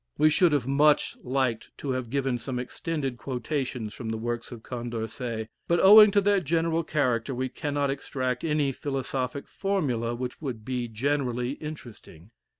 We should have much liked to have given some extended quotations from the works of Condorcet; but, owing to their general character, we cannot extract any philosophic formula which would be generally interesting.